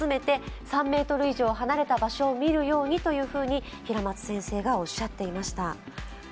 ３ｍ以上離れた場所を見るようにというふうに平松先生はおっしゃっていました。